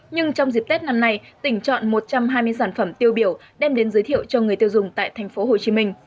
nhưng trong dịp tết năm nay tỉnh chọn một trăm hai mươi sản phẩm tiêu biểu đem đến giới thiệu cho người tiêu dùng tại thành phố hồ chí minh